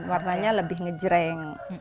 warnanya lebih ngejreng